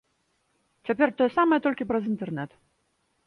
Цяпер тое самае, толькі праз інтэрнэт.